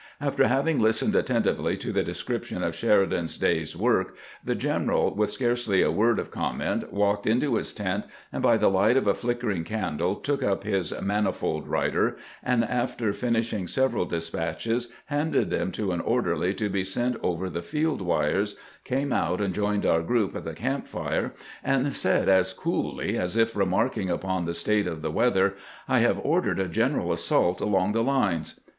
After having listened attentively to the description of Sheridan's day's work, the general, with scarcely a word of comment, walked into his tent, and by the light of a flickering candle took up his "manifold writer," and after finishing several despatches handed them to an orderly to be sent over the field wires, came out and joined our group at the camp fire, and said as cooUy as if remarking upon the state of the weather :" I have ordered a general assault along the lines."